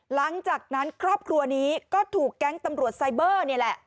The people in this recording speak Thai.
หลังจากนั้นครอบครัวนี้ก็ถูกแก๊งตำรวจไซเบอร์นี่แหละ